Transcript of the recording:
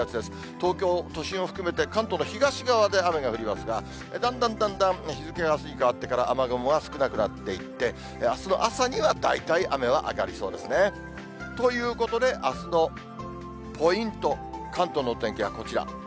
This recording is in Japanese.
東京都心を含めて関東の東側で雨が降りますが、だんだんだんだん、日付があすにかわってから雨雲は少なくなっていって、あすの朝には大体雨は上がりそうですね。ということで、あすのポイント、関東のお天気はこちら。